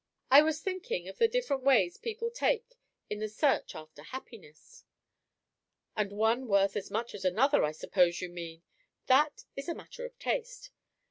"I was thinking of the different ways people take in the search after happiness." "And one worth as much as another, I suppose you mean? That is a matter of taste.